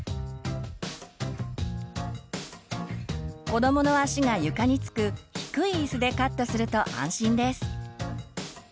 子どもの足が床につく低い椅子でカットすると安心です。